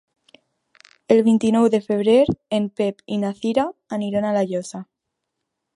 El vint-i-nou de febrer en Pep i na Cira aniran a La Llosa.